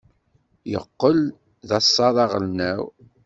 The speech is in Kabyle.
Yeqqel d asaḍ aɣelnaw.